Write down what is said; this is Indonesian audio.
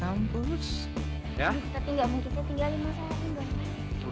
yuk mari mas erwin